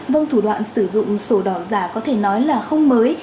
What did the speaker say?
vâng thủ đoạn sử dụng sổ đỏ giả có thể nói là không mới